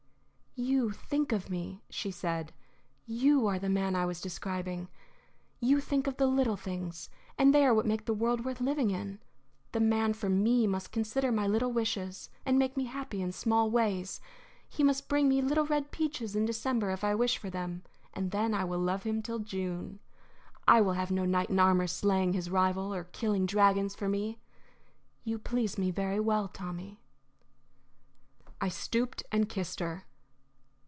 "You think of me," she said. "You are the man I was describing. You think of the little things, and they are what make the world worth living in. The man for me must consider my little wishes, and make me happy in small ways. He must bring me little red peaches in December if I wish for them, and then I will love him till June. I will have no knight in armor slaying his rival or killing dragons for me. You please me very well, Tommy." I stooped and kissed her.